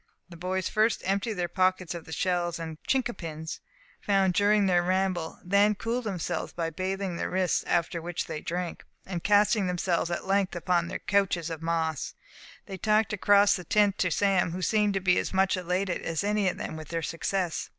The boys first emptied their pockets of the shells and chincopins, found during their ramble, then cooled themselves by bathing their wrists; after which they drank, and casting themselves at length upon their couches of moss, they talked across the tent to Sam, who seemed to be as much elated as any of them with their success.